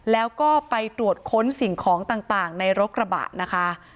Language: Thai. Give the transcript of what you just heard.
แล้วก็ไปตรวจค้นสิ่งของต่างในรถกระบะนะคะ